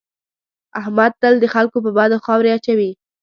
احمد تل د خلکو په بدو خاورې اچوي.